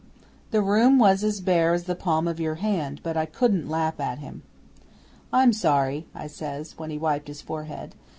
The room was as bare as the palm of your hand, but I couldn't laugh at him. '"I'm sorry," I says, when he wiped his forehead.